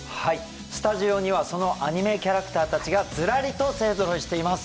スタジオにはそのアニメキャラクターたちがずらりと勢ぞろいしています。